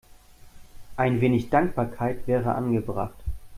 Ein wenig Dankbarkeit wäre angebracht.